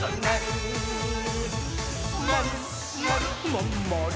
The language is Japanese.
まんまる。